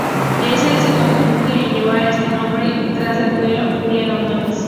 Es el segundo buque en llevar este nombre tras el torpedero "Julián Ordóñez".